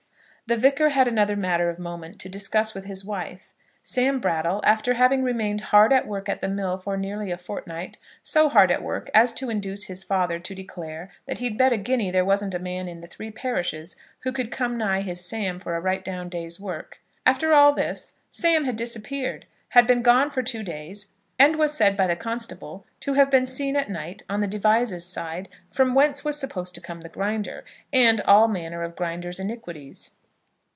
The Vicar had another matter of moment to discuss with his wife. Sam Brattle, after having remained hard at work at the mill for nearly a fortnight, so hard at work as to induce his father to declare that he'd bet a guinea there wasn't a man in the three parishes who could come nigh his Sam for a right down day's work; after all this, Sam had disappeared, had been gone for two days, and was said by the constable to have been seen at night on the Devizes side, from whence was supposed to come the Grinder, and all manner of Grinder's iniquities.